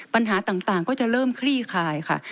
ปัญหาต่างก็จะเริ่มคลี่คายค่ะ